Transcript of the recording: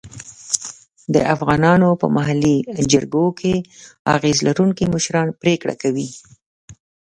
د افغانانو په محلي جرګو کې اغېز لرونکي مشران پرېکړه کوي.